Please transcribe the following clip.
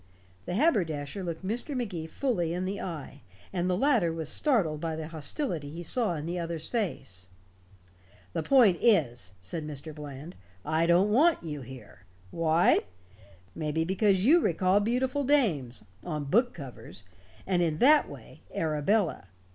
The haberdasher looked Mr. Magee fully in the eye, and the latter was startled by the hostility he saw in the other's face. "The point is," said Mr. Bland, "I don't want you here. Why? Maybe because you recall beautiful dames on book covers and in that way, Arabella.